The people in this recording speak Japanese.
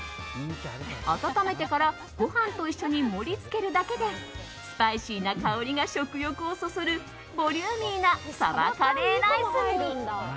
温めてからご飯と一緒に盛り付けるだけでスパイシーな香りが食欲をそそるボリューミーなサバカレーライスに。